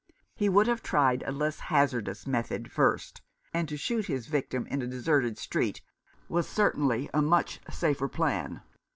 He would have tried a less hazardous method first ; and to shoot his victim in a deserted street was certainly a much safer plan.